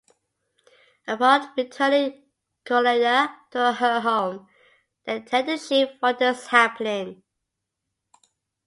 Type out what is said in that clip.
Upon returning Cholena to her home, they tell the chief what is happening.